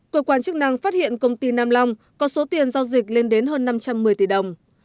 cơ quan chức năng phát hiện công ty nam long có số tiền giao dịch lên đến hơn năm trăm một mươi tỷ đồng